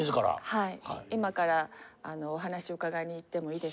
はい。